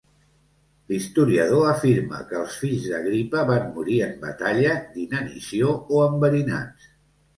L'historiador afirma que els fills d'Agripa van morir en batalla, d'inanició o enverinats.